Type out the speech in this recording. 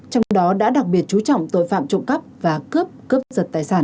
trong đó đã đặc biệt chú trọng tội phạm trộm cắp và cướp cướp giật tài sản